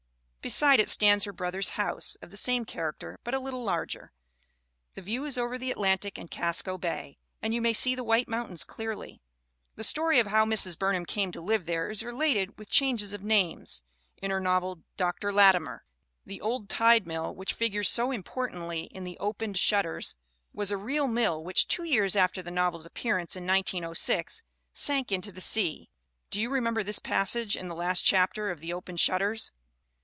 Beside it stands her brother's house, of the same character but a little larger. The view is over the Atlantic and Casco Bay and you may see the White Mountains clearly. The story of how Mrs. Burnham came to live there is related, with changes of names, in her novel Dr. Latimer. The old tide mill, which figures so importantly in The Opened Shutters, was a real mill which, two years after the novel's appearance in 1906, sank into the sea. Do you remember this passage in the last chapter of The Opened Shutters?